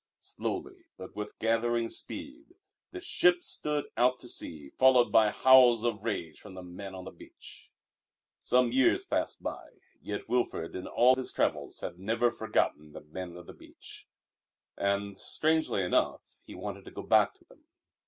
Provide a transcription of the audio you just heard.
Slowly, but with gathering speed, the ship stood out to sea followed by howls of rage from the men on the beach. Some years passed by, yet Wilfrid in all his travels had never forgotten the Men of the Beach. And, strangely enough, he wanted to go back to them.